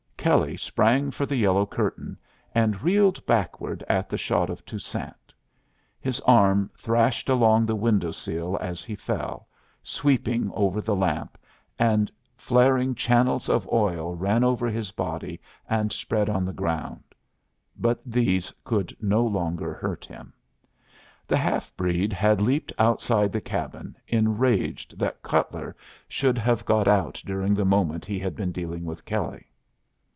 Kelley sprang for the yellow curtain, and reeled backward at the shot of Toussaint. His arm thrashed along the window sill as he fell, sweeping over the lamp, and flaring channels of oil ran over his body and spread on the ground. But these could no longer hurt him. The half breed had leaped outside the cabin, enraged that Cutler should have got out during the moment he had been dealing with Kelley.